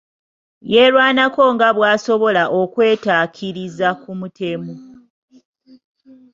Yeerwanako nga bw'asobola okwetaakiriza ku mutemu.